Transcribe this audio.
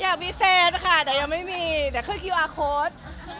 อยากมีแฟนค่ะแต่ยังไม่มีเดี๋ยวขึ้นคิวอาร์โค้ด